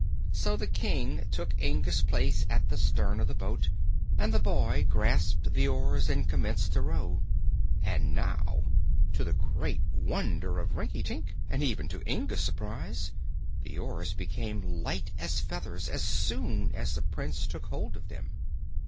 So the King took Inga's place at the stern of the boat and the boy grasped the oars and commenced to row. And now, to the great wonder of Rinkitink and even to Inga's surprise the oars became light as feathers as soon as the Prince took hold of them.